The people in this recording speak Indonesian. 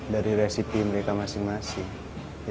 dari resipi mereka masing masing